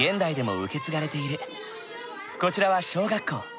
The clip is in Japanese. こちらは小学校。